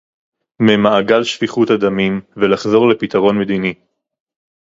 ממעגל שפיכות הדמים, ולחזור לפתרון מדיני